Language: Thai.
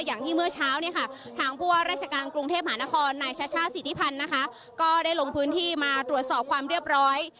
อย่างที่เมื่อเช้าเนี่ยค่ะทางผู้ว่าราชการกรุงเทพหานครนายชัชชาสิทธิพันธ์นะคะก็ได้ลงพื้นที่มาตรวจสอบความเรียบร้อย